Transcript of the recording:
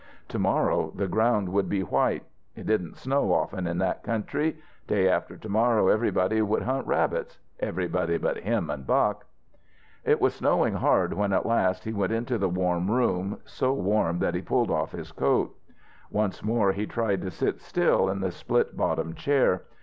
To morrow the ground would be white; it didn't snow often in that country; day after to morrow everybody would hunt rabbits everybody but him and Buck. It was snowing hard when at last he went back into the warm room, so warm that he pulled off his coat. Once more he tried to sit still in the split bottom chair.